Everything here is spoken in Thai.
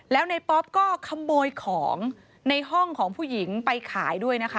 แล้วในป๊อปก็ขโมยของในห้องของผู้หญิงไปขายด้วยนะคะ